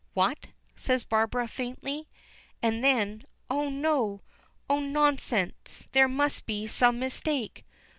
"What!" says Barbara faintly. And then, "Oh no. Oh! nonsense! there must be some mistake!"